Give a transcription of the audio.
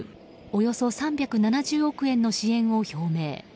およそ３７０億円の支援を表明。